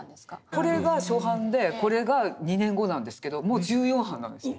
これが初版でこれが２年後なんですけどもう１４版なんですよ。